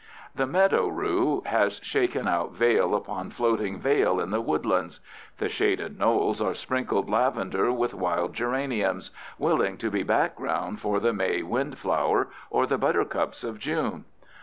The meadow rue has shaken out veil upon floating veil in the woodlands. The shaded knolls are sprinkled lavender with wild geraniums, willing to be background for the May windflower or the buttercups of June.